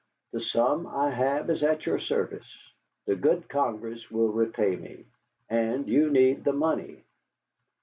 The sum I have is at your service. The good Congress will repay me. And you need the money."